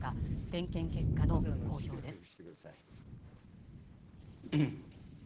点検結果の公表です。